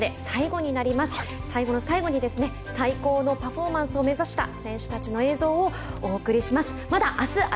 最後の最後に最高のパフォーマンスを目指した選手たちの映像をお送りします。